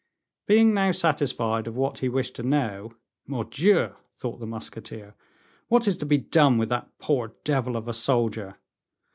Being now satisfied of what he wished to know: "Mordioux!" thought the musketeer, "what is to be done with that poor devil of a soldier?